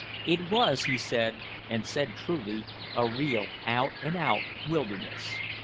It was, he said and said truly a real out and out wilderness.